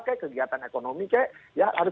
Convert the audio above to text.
kegiatan ekonomi harus